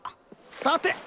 さて！